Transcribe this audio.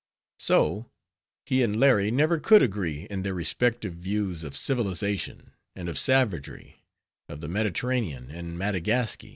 So he and Larry never could agree in their respective views of civilization, and of savagery, of the Mediterranean and _Madagasky.